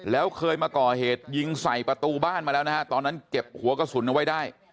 แล้วเคยมาก่อเหตุยิงใส่ประตูบ้านมาแล้วนะฮะตอนนั้นเก็บหัวกระสุนเอาไว้ได้